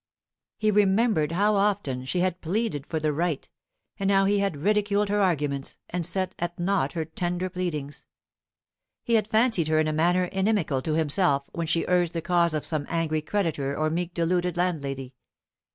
He remembered how often she had pleaded for the right, and how he had ridiculed her arguments, and set at naught her tender pleadings. He had fancied her in a manner inimical to himself when she urged the cause of some angry creditor or meek deluded landlady.